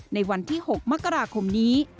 ในวันที่๖มกราคมนี้